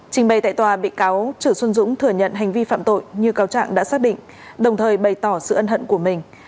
trình bày tại tòa bị cáo chử xuân dũng thừa nhận hành vi phạm tội như cáo trạng đã xác định đồng thời bày tỏ sự ân hận của mình